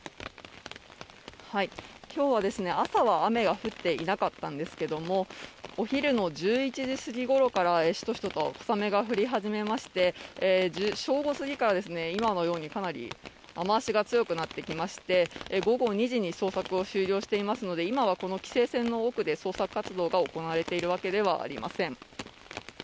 今日は朝は雨が降っていなかったんですけれども、お昼の１１時過ぎごろから、しとしとと小雨が降り始めまして、正午すぎから今のように、かなり雨足が強くなってきまして午後２時に捜索を終了していますので、今はこの規制線の奥で捜索活動が行われているわけではありません。